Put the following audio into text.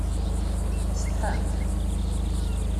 Tsetḥamt?